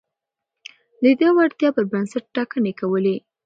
ده د وړتيا پر بنسټ ټاکنې کولې.